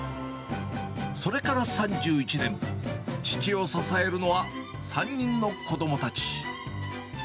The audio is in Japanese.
それから３１年、父を支えるのは、３人の子どもたち。